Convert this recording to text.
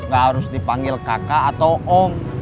gak harus dipanggil kakak atau om